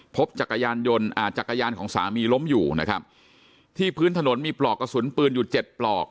พบจักรยานของสามีล้มอยู่ที่พื้นถนนมีปลอกกระสุนปืนอยู่๗ปลอก